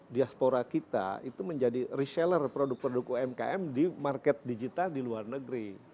diaspora kita itu menjadi reseller produk produk umkm di market digital di luar negeri